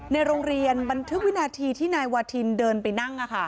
ในโรงเรียนบันทึกวินาทีที่นายวาทินเดินไปนั่ง